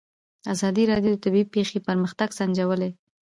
ازادي راډیو د طبیعي پېښې پرمختګ سنجولی.